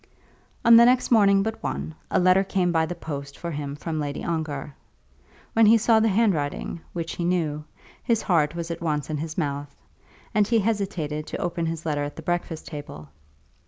On the next morning but one a letter came by the post for him from Lady Ongar. When he saw the handwriting, which he knew, his heart was at once in his mouth, and he hesitated to open his letter at the breakfast table.